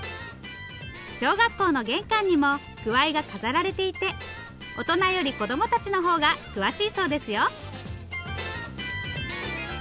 小学校の玄関にもくわいが飾られていて大人より子供たちの方が詳しいそうですよ。